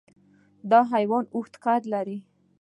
دا حیوان اوږده قد لري.